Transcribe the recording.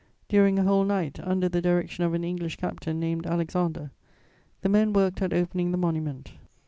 During a whole night, under the direction of an English captain named Alexander, the men worked at opening the monument.